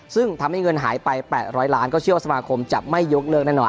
ซึ่งทำให้เงินหายไป๘๐๐ล้านก็เชื่อว่าสมาคมจะไม่ยกเลิกแน่นอน